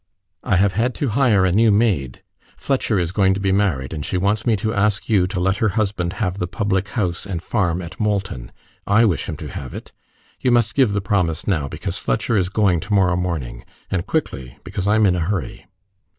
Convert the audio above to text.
"I have had to hire a new maid. Fletcher is going to be married, and she wants me to ask you to let her husband have the public house and farm at Molton. I wish him to have it. You must give the promise now, because Fletcher is going to morrow morning and quickly, because I'm in a hurry."